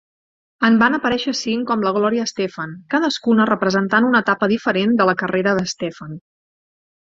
En van aparèixer cinc com la Gloria Estefan, cadascuna representant una etapa diferent de la carrera d'Estefan.